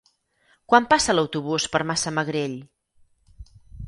Quan passa l'autobús per Massamagrell?